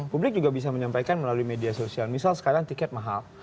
publik juga bisa menyampaikan melalui media sosial misal sekarang tiket mahal